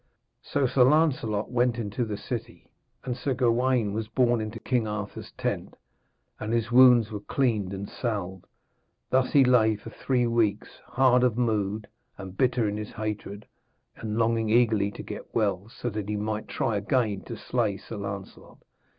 So Sir Lancelot went into the city, and Sir Gawaine was borne into King Arthur's tent and his wounds were cleaned and salved. Thus he lay for three weeks, hard of mood and bitter in his hatred, and longing eagerly to get well, so he might try again to slay Sir Lancelot.